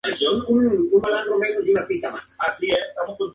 Este ámbar contiene muchas inclusiones orgánicas.